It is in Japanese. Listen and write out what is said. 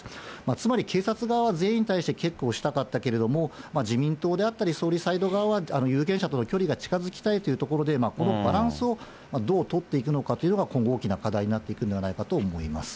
つまり、警察側は全員に対してチェックをしたかったけれども、自民党であったり、総理サイド側は、有権者との距離が近づきたいというところで、このバランスをどう取っていくのかというのが、今後大きな課題になっていくのではないかと思います。